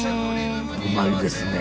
うまいですね。